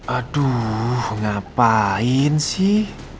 aduh ngapain sih